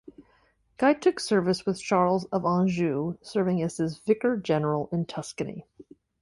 Guy took service with Charles of Anjou, serving as his Vicar-General in Tuscany.